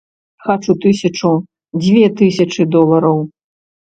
Хачу тысячу, дзве тысячы долараў.